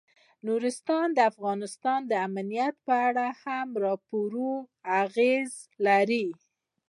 نورستان د افغانستان د امنیت په اړه هم پوره اغېز لري.